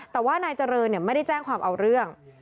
แต่ว่านายเจริญไม่ได้แจ้งความเอาเรื่อง